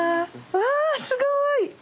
うわすごい！